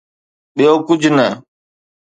ٻيو ڪجھ نه.